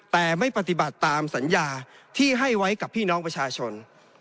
แต่ไม่ปฏิบัติตามสัญญาที่ให้ไว้กับพี่น้องประชาชน